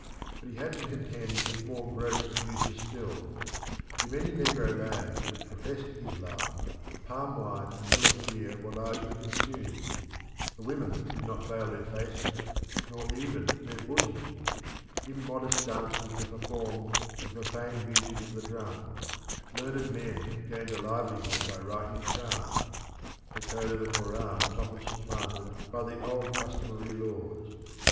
But he had to contend with more gross abuses still. In many negro lands which professed Islam, palm wine and millet beer were largely consumed; the women did not veil their faces nor even their bosoms; immodest dances were performed to the profane music of the drum; learned men gained a livelihood by writing charms, the code of the Koran was often supplanted by the old customary laws.